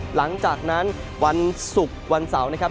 หลังจากนั้นวันศุกร์วันเสาร์นะครับ